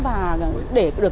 và để được